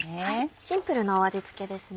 シンプルな味付けですね。